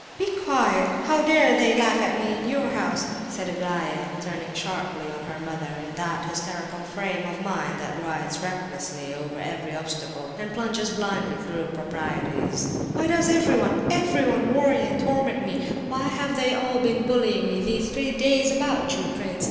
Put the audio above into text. "Be quiet! How dare they laugh at me in your house?" said Aglaya, turning sharply on her mother in that hysterical frame of mind that rides recklessly over every obstacle and plunges blindly through proprieties. "Why does everyone, everyone worry and torment me? Why have they all been bullying me these three days about you, prince?